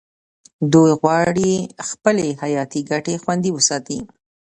دوی غواړي خپلې حیاتي ګټې خوندي وساتي